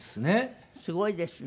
すごいですね。